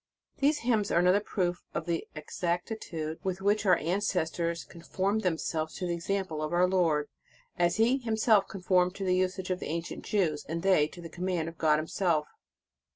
These hymns are another proof of the exactitude with which our ancestors con formed themselves to the example of our Lord, as He himself conformed to the usage of the ancient Jews, and they to the command of God Himself.